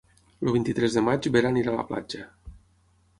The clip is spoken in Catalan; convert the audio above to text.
El vint-i-tres de maig na Vera anirà a la platja.